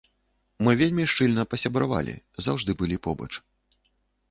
Мы вельмі шчыльна пасябравалі, заўжды былі побач.